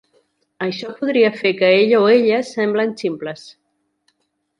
Això podria fer que ell o ella semblen ximples.